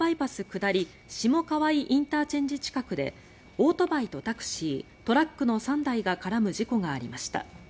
下り下川井ＩＣ近くでオートバイとタクシートラックの３台が絡む事故がありました。